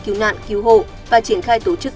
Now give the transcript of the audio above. cứu nạn cứu hộ và triển khai tổ chức